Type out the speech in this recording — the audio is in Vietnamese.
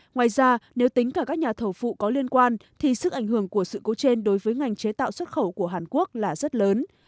ngoài ra nếu tính cả các nhà thầu phụ có liên quan thì sức ảnh hưởng của sự cố trên đối với ngành chế tạo xuất khẩu của hàn quốc là rất lớn